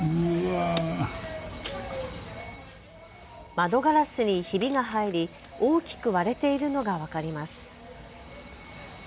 窓ガラスにひびが入り大きく割れているのが分かります。